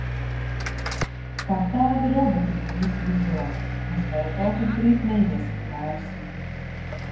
Kā tādi robotiņi visu izdarām. Uz veikalu tik drīz neiesim vairs.